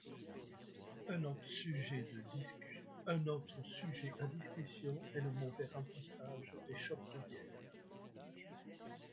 Un autre sujet à discussion est le mauvais remplissage des chopes de bière.